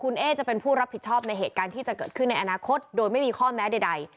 คุณเอ๊จะเป็นผู้รับผิดชอบในเหตุการณ์ที่จะเกิดขึ้นในอนาคตโดยไม่มีข้อแม้ใด